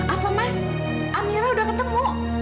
apa mas amira udah ketemu